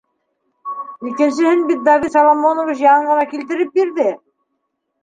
Икенсеһен бит Давид Соломонович яңы ғына килтереп бирҙе!